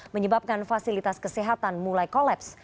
menyebabkan fasilitas kesehatan mulai kolaps